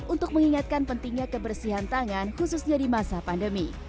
untuk mengingatkan pentingnya kebersihan tangan khususnya di masa pandemi